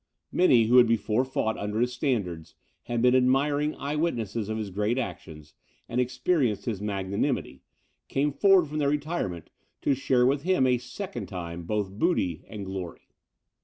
Many, who had before fought under his standards, had been admiring eye witnesses of his great actions, and experienced his magnanimity, came forward from their retirement, to share with him a second time both booty and glory.